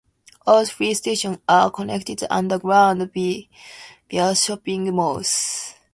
All three stations are connected underground via shopping malls.